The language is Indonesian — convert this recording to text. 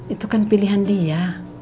itu kan pilihan dia